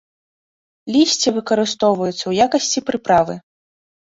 Лісце выкарыстоўваюцца ў якасці прыправы.